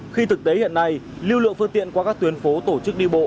khi thực tế hiện nay lưu lượng phương tiện qua các tuyến phố tổ chức đi bộ